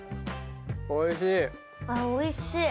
おいしい！